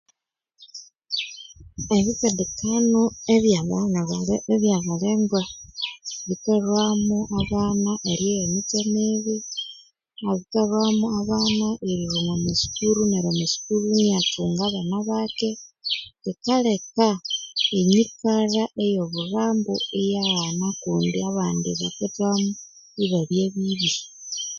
Ebitsindikano ebya bana abalere ebya balengwa bikalhwa abana erigha emitse emibi bikalhwamu abana erilhwa omwa masukuru neryo amasukuru iniathunga abana bake bikaleka enyikalha yo bulhambu iyaghana kundi abandi bakathwamu ibabya bibi